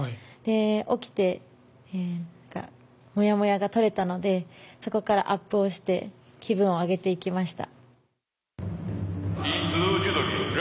起きて、もやもやが取れたのでそこからアップをして気分を上げていきました。